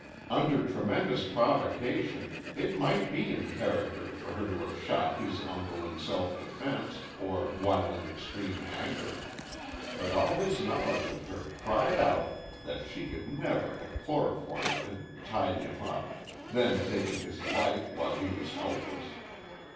Under tremendous provocation it might be in character for her to have shot his uncle in self defense or while in extreme anger. But all his knowledge of her cried out that she could never have chloroformed him, tied him up, then taken his life while he was helpless.